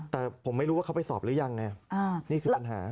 แต่ผมไม่รู้ว่าเขาไปสอบหรือยังไงนี่คือปัญหา